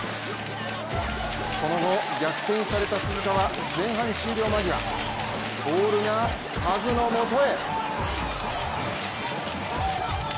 その後、逆転された鈴鹿は前半終了間際ボールがカズのもとへ。